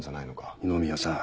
二宮さん。